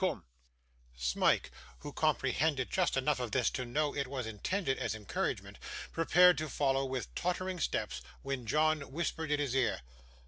Coom!' Smike, who comprehended just enough of this to know it was intended as encouragement, prepared to follow with tottering steps, when John whispered in his ear.